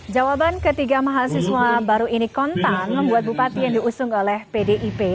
jawaban ketiga mahasiswa baru ini kontan membuat bupati yang diusung oleh pdip